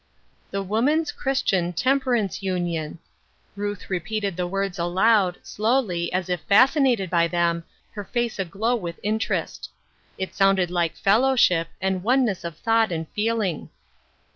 "The Woman's Christian Temperance Union." Ruth repeated the words aloud, slowly, as if fasci nated by them, her face aglow with interest. It sounded like fellowship, and oneness of thought and feeling.